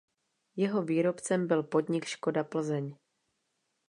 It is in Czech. Jeho výrobcem byl podnik Škoda Plzeň.